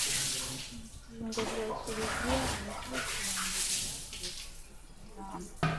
Mu ishingwa rya Kiliziya, abakristu ba mbere bakoreshaga ijambo